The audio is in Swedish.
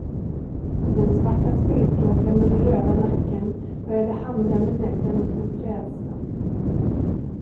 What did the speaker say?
Den svarta spillkråkan med den röda nacken började hamra med näbben mot en trädstam.